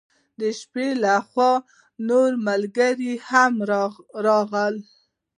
د شپې له خوا نور ملګري هم راغلل.